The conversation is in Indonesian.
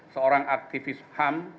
seorang aktivis ham